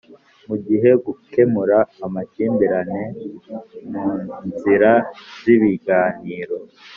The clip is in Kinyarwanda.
Mu gihe gukemura amakimbirane mu nzira z ibiganiro